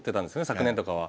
昨年とかは。